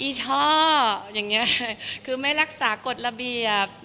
อี้ช่ออย่างนี้